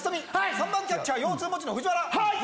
３番キャッチャー腰痛持ちの藤原。